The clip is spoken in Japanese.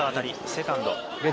セカンド。